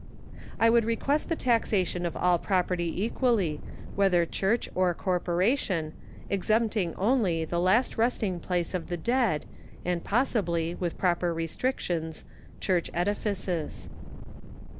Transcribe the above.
I would suggest the taxation of all property equally, whether church or corporation, exempting only the last resting place of the dead and possibly, with proper restrictions, church edifices.